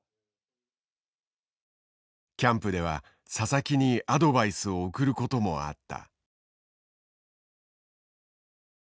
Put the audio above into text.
キャンプでは佐々木にアドバイスを送ることもあった。